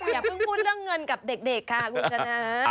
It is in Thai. อย่าพึ่งพูดเรื่องเงินกับเด็กค่ะ